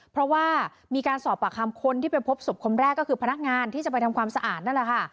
เพราะว่ามีการสอบปากคำคนที่ไปพบศพคนแรกก็คือพนักงานที่จะไปทำความสะอาดนั่นแหละค่ะ